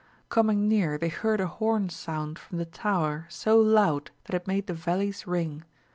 Coming near they heard a horn sound from the tower so loud that it made the valleys ring.